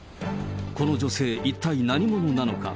この女性、一体何者なのか。